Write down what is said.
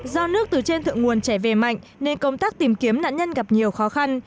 do nước từ trên thượng nguồn trẻ về mạnh nên công tác tìm kiếm nạn nhân gặp nhiều khó khăn